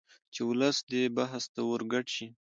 چې ولس دې بحث ته ورګډ شي